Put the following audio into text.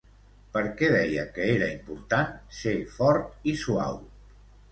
Per què deia que era important ser fort i suau?